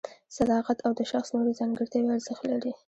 صداقت او د شخص نورې ځانګړتیاوې ارزښت لري.